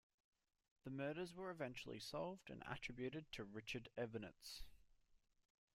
The murders were eventually solved and attributed to Richard Evonitz.